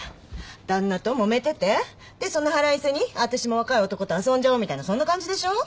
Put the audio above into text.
旦那ともめててでその腹いせに私も若い男と遊んじゃおうみたいなそんな感じでしょう？